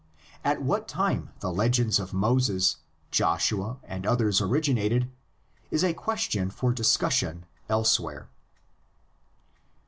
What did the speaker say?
At what time the legends of Moses, Joshua and others originated is a question for dis cussion elsewhere.